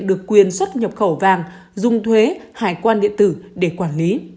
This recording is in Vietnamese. được quyền xuất nhập khẩu vàng dùng thuế hải quan điện tử để quản lý